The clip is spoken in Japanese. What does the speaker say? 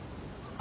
あ。